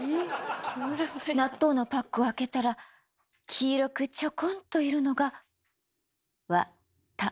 納豆のパックを開けたら黄色くちょこんといるのがわ・た・